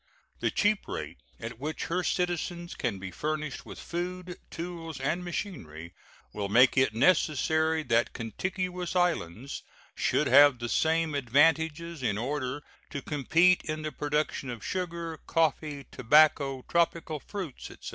The cheap rate at which her citizens can be furnished with food, tools, and machinery will make it necessary that contiguous islands should have the same advantages in order to compete in the production of sugar, coffee, tobacco, tropical fruits, etc.